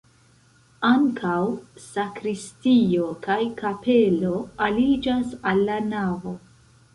Ankaŭ sakristio kaj kapelo aliĝas al la navo.